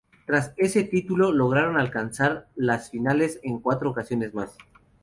Tras ese título, lograron alcanzar las finales en cuatro ocasiones más.